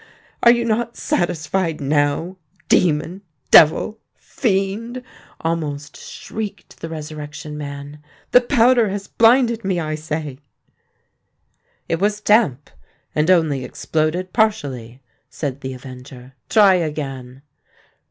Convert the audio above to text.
"Are you not satisfied now, demon—devil—fiend!" almost shrieked the Resurrection Man. "The powder has blinded me, I say!" "It was damp, and only exploded partially," said the avenger. "Try again!"